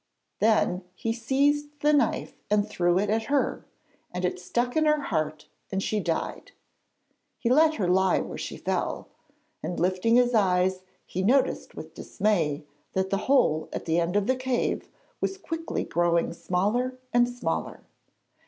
Then he seized the knife and threw it at her, and it stuck in her heart and she died. He let her lie where she fell, and lifting his eyes he noticed with dismay that the hole at the end of the cave was quickly growing smaller and smaller.